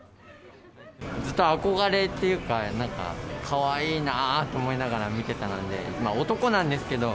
ずっと憧れというか、なんかかわいいなって思いながら見てたので、男なんですけど。